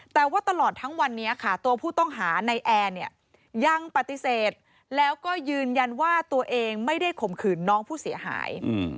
แต่ว่าตลอดทั้งวันนี้ค่ะตัวผู้ต้องหาในแอร์เนี่ยยังปฏิเสธแล้วก็ยืนยันว่าตัวเองไม่ได้ข่มขืนน้องผู้เสียหาย